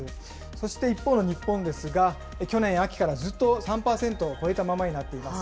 そして一方の日本ですが、去年秋からずっと３％を超えたままになっています。